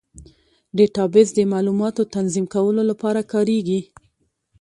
ډیټابیس د معلوماتو تنظیم کولو لپاره کارېږي.